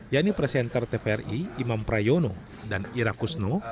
yaitu presenter tvri imam prayono dan ira kusno